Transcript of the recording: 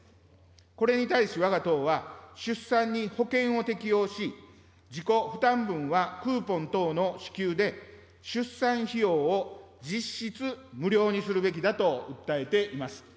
これに対し、わが党は、出産に保険を適用し、自己負担分はクーポン等の支給で出産費用を実質無料にするべきだと訴えています。